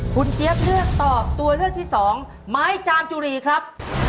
คุณเจี๊ยบเลือกตอบตัวเลือกที่สองไม้จามจุรีครับ